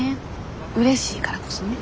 うれしいからこそね。